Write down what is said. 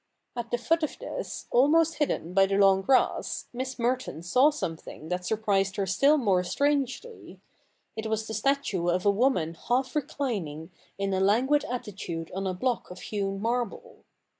At the foot of this, almost hidden by the long grass, Miss Merton saw something that surprised her still more strangely. It was the statue of a woman half reclining in a languid attitude on a block of hewn marble.